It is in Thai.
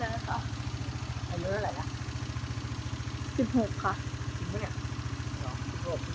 อะไรนะแล้วแต่อะไรส่วนหาสิ่งรักแต่ร้องของเรา